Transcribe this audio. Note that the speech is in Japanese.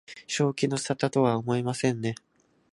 正気の沙汰とは思えませんね